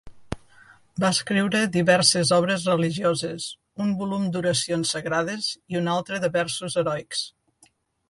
Va escriure diverses obres religioses, un volum d'oracions sagrades i un altre de versos heroics.